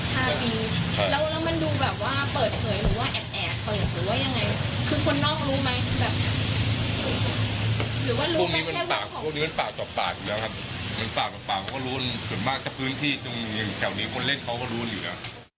คนเล่นเขาก็รู้สินะ